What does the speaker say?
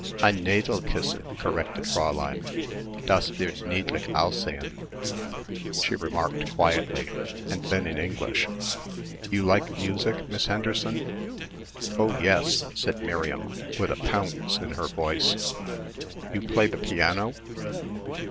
"Ein Nadelkissen," corrected Fräulein, "das wird niedlich aussehen," she remarked quietly, and then in English, "You like music, Miss Henderson?" "Oh, yes," said Miriam, with a pounce in her voice. "You play the piano?"